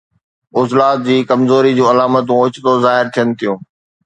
عضلات جي ڪمزوريءَ جون علامتون اوچتو ظاهر ٿين ٿيون